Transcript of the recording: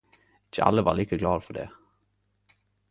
Ikkje alle var like glade for det...